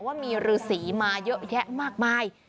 ว่ามีฤษีมาเยอะแยะมากมาย